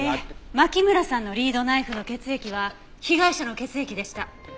牧村さんのリードナイフの血液は被害者の血液でした。